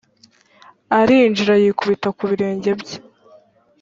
arinjira yikubita ku birenge bye